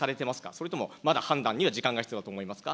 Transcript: それともまだ判断には時間が必要と考えますか。